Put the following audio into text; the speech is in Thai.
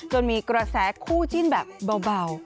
มีกระแสคู่จิ้นแบบเบา